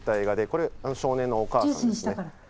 これが少年のお母さんですね。